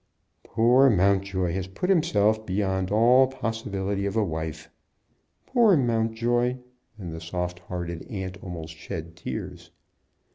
"Poor Mountjoy has put himself beyond all possibility of a wife." "Poor Mountjoy!" and the soft hearted aunt almost shed tears.